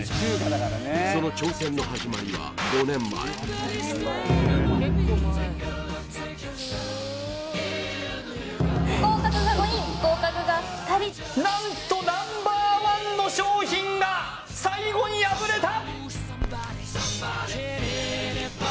その挑戦の始まりは５年前不合格が５人合格が２人何とＮｏ．１の商品が最後に敗れた